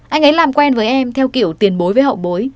anh ấy làm quen với em theo kiểu tiền bối với hậu bối